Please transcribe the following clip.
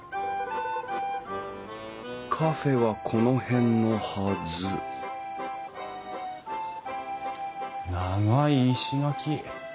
カフェはこの辺のはず長い石垣。